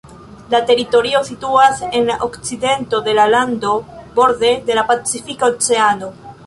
La teritorio situas en la okcidento de la lando, borde de la Pacifika Oceano.